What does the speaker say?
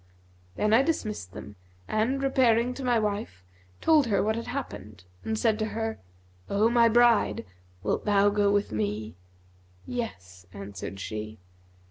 Then I dismissed them and, repairing to my wife, told her what had happened and said to her, 'O my bride, wilt thou go with me?' 'Yes,' answered she.